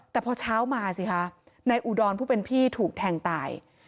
แต่พอเช้ามาสิคะนายอุดรผู้เป็นพี่ถูกแทงตาย